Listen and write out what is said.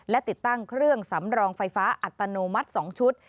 และติดตั้งเครื่องสำรองไฟฟ้าอัตโนมัติ๒ชุด